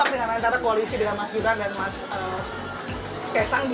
wah gila jelas banget tentang hormat bap speaker